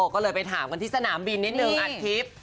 ก็เลยไปถามกันที่สนามบินนิดนึงอัดคลิป